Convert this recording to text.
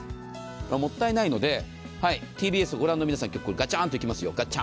もったいないので、ＴＢＳを御覧の皆さんに、ガチャンといきますよ。